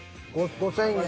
５，０００円。